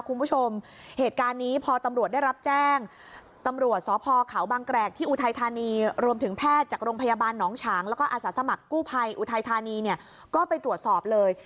คุณผู้ชมเหตุการณ์นี้พอตำรวจได้รับแจ้งตำรวจสพเขาบางแกรกที่อุทัยธานีรวมถึงแพทย์จากโรงพยาบาลหนองฉางแล้วก็อาสาสมัครกู้ภัยอุทัยธานีเนี่ยก็ไปตรวจสอบเลย